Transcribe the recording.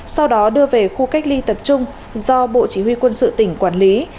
sau đó đưa về khu cách ly tập trung do bộ chỉ huy quân sự tỉnh quản lý